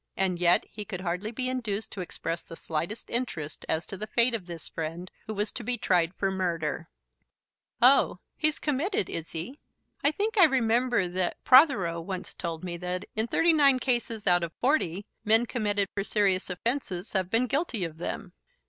And yet he could hardly be induced to express the slightest interest as to the fate of this friend who was to be tried for murder. "Oh; he's committed, is he? I think I remember that Protheroe once told me that, in thirty nine cases out of forty, men committed for serious offences have been guilty of them."